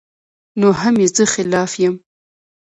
نو هم ئې زۀ خلاف يم